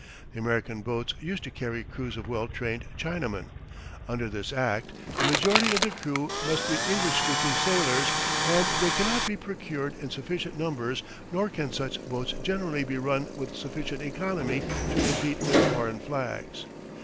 The American boats used to carry crews of well trained Chinamen. Under this act the majority of the crew must be English speaking sailors and they cannot be procured in sufficient numbers nor can such boats generally be run with sufficient economy to compete with foreign flags.